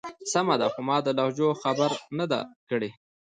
سمه ده. خو ما د لهجو خبره نه ده کړی.